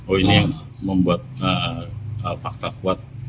oh ini yang membuat fakta kuat